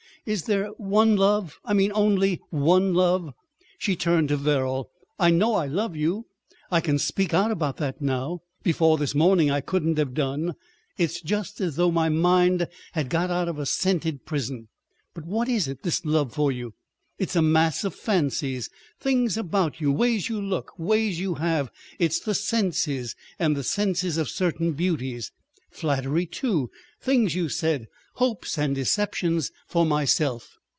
... Is there one love? I mean, only one love?" She turned to Verrall. "I know I love you. I can speak out about that now. Before this morning I couldn't have done. It's just as though my mind had got out of a scented prison. But what is it, this love for you? It's a mass of fancies—things about you—ways you look, ways you have. It's the senses—and the senses of certain beauties. Flattery too, things you said, hopes and deceptions for myself.